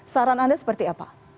saran anda seperti apa